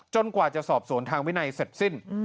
กว่าจะสอบสวนทางวินัยเสร็จสิ้น